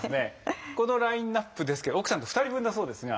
このラインアップですけど奥さんと２人分だそうですが。